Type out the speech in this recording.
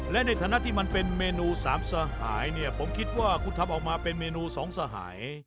และในฐานะที่มันเป็นเมนูสามสหายเนี่ยผมคิดว่าคุณทำออกมาเป็นเมนูสองสหาย